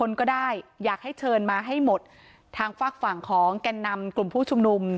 ก็ได้อยากให้เชิญมาให้หมดทางฝากฝั่งของแก่นนำกลุ่มผู้ชุมนุม